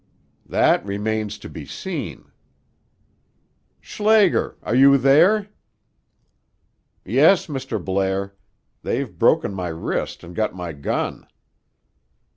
"That remains to be seen." "Schlager! Are you there?" "Yes, Mr. Blair. They've broken my wrist and got my gun."